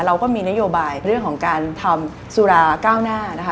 เราก็มีนโยบายเรื่องของการทำสุราก้าวหน้านะคะ